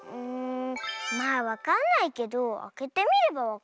まあわかんないけどあけてみればわかるかなあ。